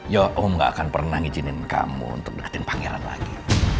ya om gak akan pernah ngizinin kamu untuk deketin pangeran lagi